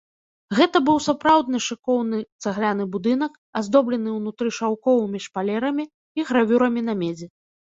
Гэта быў сапраўдны шыкоўны цагляны будынак, аздоблены ўнутры шаўковымі шпалерамі і гравюрамі на медзі.